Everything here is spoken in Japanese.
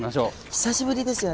久しぶりですよ